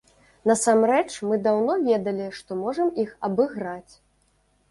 Насамрэч мы даўно ведалі, што можам іх абыграць.